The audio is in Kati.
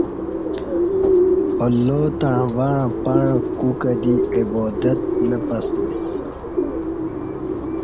اللہ تݩع وݩع پݩع کُوکہ دی عبادت نہ پسنیسہ